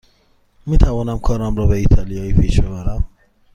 می تونم کارم را به ایتالیایی پیش ببرم.